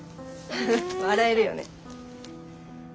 フフ笑えるよね。